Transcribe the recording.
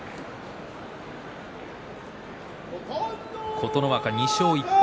琴ノ若、２勝１敗。